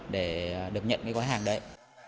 để được nhận cái quái hàng đấy